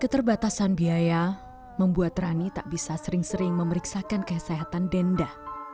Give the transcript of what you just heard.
keterbatasan biaya membuat rani tak bisa sering sering memeriksakan kesehatan denda